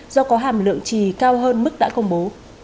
do có hàm lượng trì cao hơn mức đã công bố